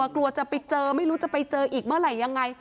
กลัวจะไปเจอไม่รู้จะไปเจออีกเมื่อไหร่ยังไง